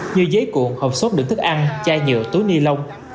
như giấy cuộn hộp sốt đựng thức ăn chai nhựa túi ni lông